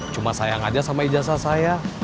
cuma sayang aja sama ijazah saya